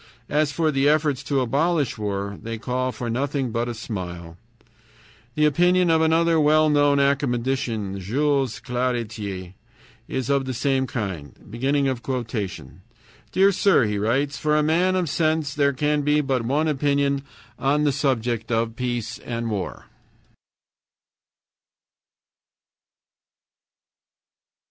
As for the efforts to abolish war, they call for nothing but a smile. The opinion of another well known academician, Jules Claretie, is of the same kind. "Dear Sir [he writes]: For a man of sense there can be but one opinion on the subject of peace and war.